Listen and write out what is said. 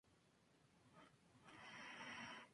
Cuyo fósil data del Paleoceno y el Eoceno.